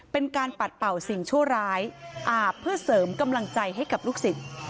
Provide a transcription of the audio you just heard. เป็นการปัดเป่าสิ่งชั่วร้ายอาบเพื่อเสริมกำลังใจให้กับลูกศิษย์